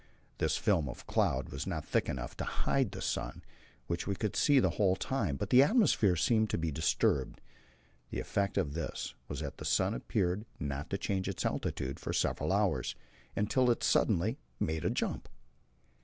This film of cloud was not thick enough to hide the sun, which we could see the whole time, but the atmosphere seemed to be disturbed. The effect of this was that the sun appeared not to change its altitude for several hours, until it suddenly made a jump.